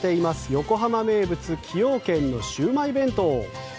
横浜名物崎陽軒のシウマイ弁当。